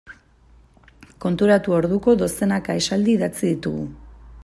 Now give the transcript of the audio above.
Konturatu orduko dozenaka esaldi idatzi ditugu.